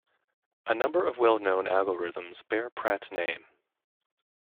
A number of well-known algorithms bear Pratt's name.